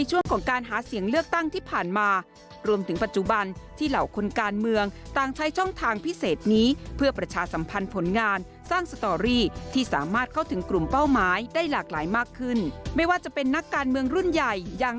เจาะประเด็นเรื่องนี้จากรายงานครับ